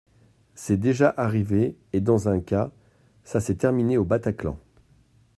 C’est déjà arrivé et, dans un cas, ça s’est terminé au Bataclan.